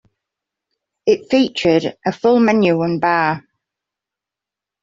It featured a full menu and bar.